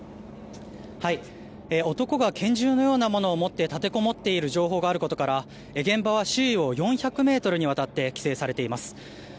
男が拳銃のようなものを持って立てこもっている情報があることから現場は周囲を４００ｍにわたって規制されています。